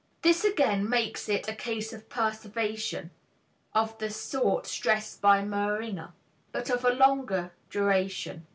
This again makes it a case of perseveration of the sort stressed by Meringer, but of a longer duration.